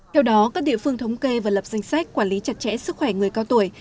theo đó các địa phương thống kê và lập danh sách quản lý chặt chẽ sức khỏe người cao tuổi